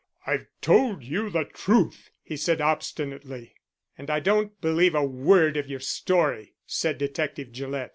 "I've told you the truth," he said obstinately. "And I don't believe a word of your story," said Detective Gillett.